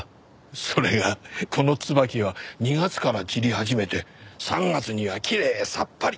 それがこの椿は２月から散り始めて３月にはきれいさっぱり。